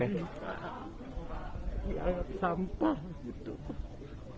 beri sampah gitu